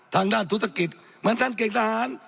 ทางด้านธุรกิจเหมือนท่านเก่งทหาร